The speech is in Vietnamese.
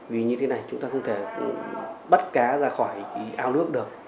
vì như thế này chúng ta không thể bắt cá ra khỏi ao nước được